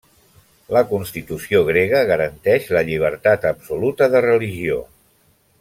La Constitució grega garanteix la llibertat absoluta de religió.